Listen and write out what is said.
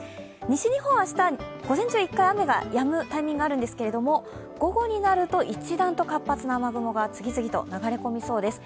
西日本は明日午前中は１回雨がやむタイミングがあるんですけれども、午後になると一段と活発な雨雲が次々と流れ込みそうです。